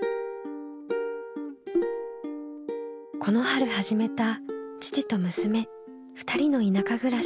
この春始めた父と娘２人の田舎暮らし。